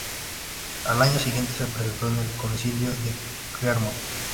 Al año siguiente se presentó en el concilio de Clermont.